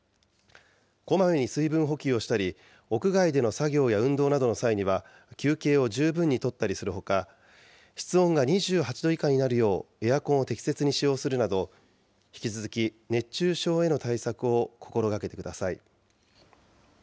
こまめに水分補給をしたり、屋外での作業や運動などの際には休憩を十分にとったりするほか、室温が２８度以下になるようエアコンを適切に使用するなど、引き続き熱中症への対策を心がけてください。